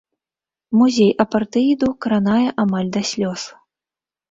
Музей апартэіду кранае амаль да слёз.